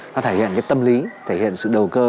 nó thể hiện cái tâm lý thể hiện sự đầu cơ